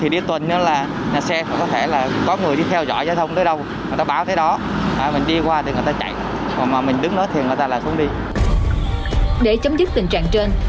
để chấm dứt tình trạng trên